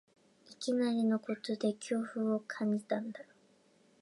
いきなりのことで恐怖を感じたんだろう